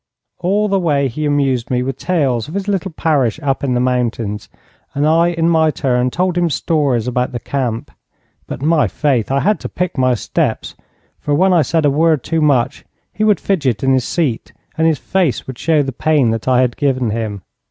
All the way he amused me with tales of his little parish up in the mountains, and I in my turn told him stories about the camp; but, my faith, I had to pick my steps, for when I said a word too much he would fidget in his seat and his face would show the pain that I had given him.